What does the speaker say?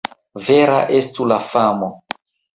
Vera estu la famo!